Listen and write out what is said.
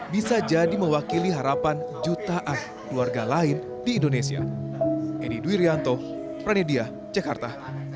bisa jadi mewakili harapan jutaan keluarga lain di indonesia edi duirianto pranidia jakarta